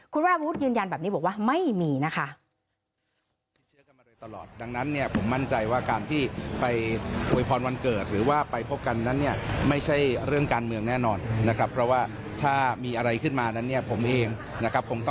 คุณวรวุฒิยืนยันแบบนี้บอกว่าไม่มีนะคะ